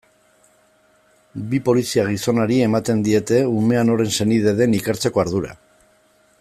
Bi polizia-gizonari ematen diete umea noren senidea den ikertzeko ardura.